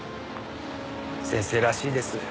先生らしいです。